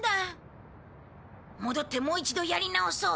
戻ってもう一度やり直そう。